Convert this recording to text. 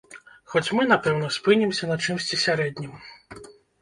Хоць мы, напэўна, спынімся на чымсьці сярэднім.